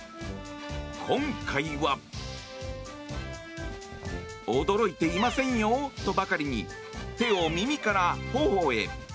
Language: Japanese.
今回は驚いていませんよとばかりに手を耳から頬へ！